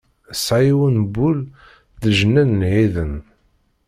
Tesɛa yiwen n wul d leǧnan n ɛiden.